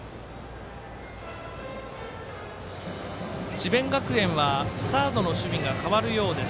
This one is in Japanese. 智弁学園はサードの守備がかわるようです。